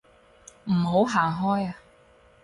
唔好行開啊